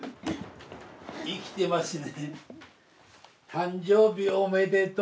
生きてますね。